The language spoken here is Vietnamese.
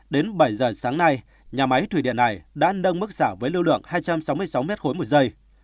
đến bảy giờ sáng nay nhà máy thủy điện này đã nâng mức xả với lưu lượng hai trăm sáu mươi sáu m ba một giây